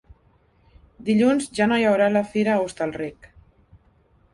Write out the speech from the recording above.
Dilluns ja no hi haurà la fira a Hostalric.